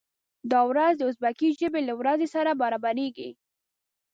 دا ورځ د ازبکي ژبې له ورځې سره برابریږي.